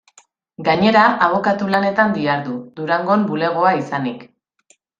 Gainera, abokatu lanetan dihardu, Durangon bulegoa izanik.